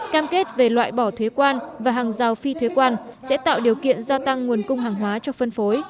cam kết về loại bỏ thuế quan và hàng rào phi thuế quan sẽ tạo điều kiện gia tăng nguồn cung hàng hóa cho phân phối